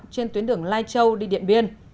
trên tuyến đường lai châu đi điện biên